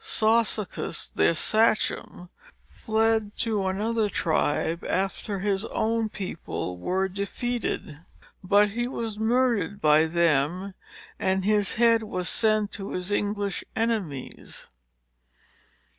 Sassacus, their sachem, fled to another tribe, after his own people were defeated; but he was murdered by them, and his head was sent to his English enemies.